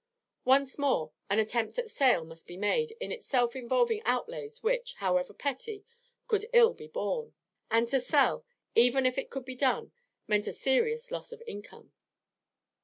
Once more an attempt at sale must be made, in itself involving outlays which, however petty, could ill be borne; and to sell, even if it could be done, meant a serious loss of income.